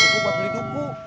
aku buat beli duku